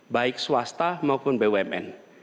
baik swasta maupun bumn